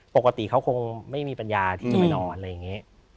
ปกติเขาคงไม่มีปัญญาที่จะไปนอนอะไรอย่างนี้